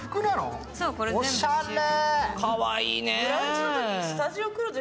おしゃれ。